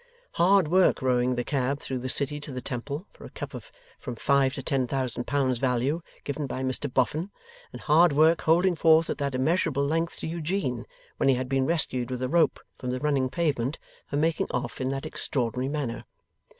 Hard work rowing the cab through the City to the Temple, for a cup of from five to ten thousand pounds value, given by Mr Boffin; and hard work holding forth at that immeasurable length to Eugene (when he had been rescued with a rope from the running pavement) for making off in that extraordinary manner!